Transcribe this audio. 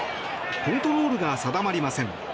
コントロールが定まりません。